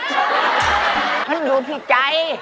ฉันนู้นพี่ใจ